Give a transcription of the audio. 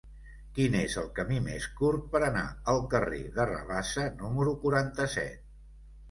Quin és el camí més curt per anar al carrer de Rabassa número quaranta-set?